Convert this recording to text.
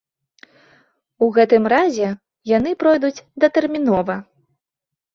У гэтым разе яны пройдуць датэрмінова.